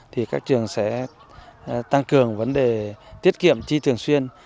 thì các trường sẽ tăng cường vấn đề tiết kiệm chi thường xuyên